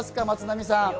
松並さん。